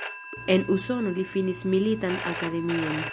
En Usono li finis Militan Akademion.